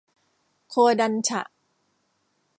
โคดันฉะ